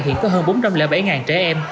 hiện có hơn bốn trăm linh bảy trẻ em